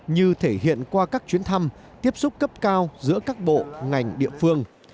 như thể hiện qua các chuyến thăm tiếp xúc cấp cao giữa các bộ ngành địa phương